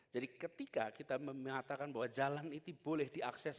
jadi ketika kita mengatakan bahwa jalan itu boleh diakses